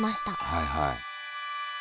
はいはい。